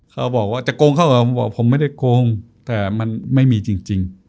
เขาบอกว่าจะโกงเขาผมไม่ได้โกงแต่มันไม่มีจริง